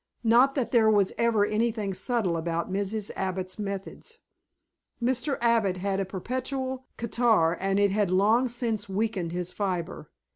Not that there was ever anything subtle about Mrs. Abbott's methods. Mr. Abbott had a perpetual catarrh and it had long since weakened his fibre.